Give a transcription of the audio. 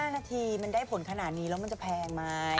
๕นาทีมันได้ผลขนาดนี้แล้วมันจะแพงไหม